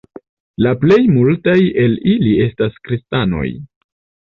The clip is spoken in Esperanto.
La plej multaj el ili estas kristanoj.